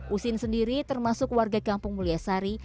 usin sendiri termasuk warga kampung mulya sari